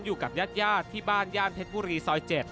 อยู่กับญาติที่บ้านย่านเพชรบุรีซอย๗